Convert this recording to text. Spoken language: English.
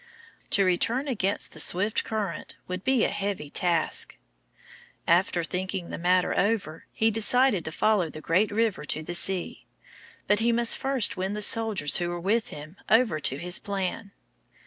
To return against the swift current would be a heavy task. After thinking the matter over, he decided to follow the great river to the sea. But he must first win the soldiers who were with him over to his plan.